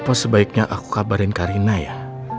apa sebaiknya aku kabarin karina ya